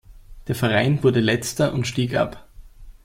Der Verein wurde Letzter und stieg ab.